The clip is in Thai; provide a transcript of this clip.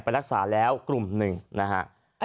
ไปรักษาแล้วกลุ่มหนึ่งนะฮะ